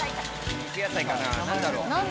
肉野菜かな？